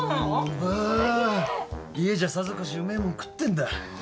家じゃさぞかしうめえもん食ってんだ。